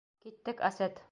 Киттек, Асет.